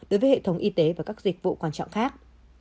đối với hệ thống y tế và các dịch vụ quan trọng khác